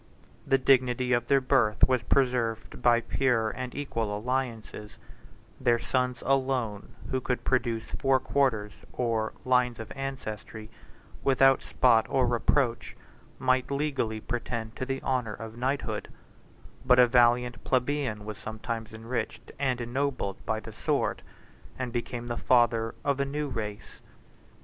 The dignity of their birth was preserved by pure and equal alliances; their sons alone, who could produce four quarters or lines of ancestry without spot or reproach, might legally pretend to the honor of knighthood; but a valiant plebeian was sometimes enriched and ennobled by the sword, and became the father of a new race.